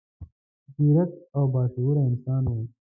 ځیرک او با شعوره انسان و.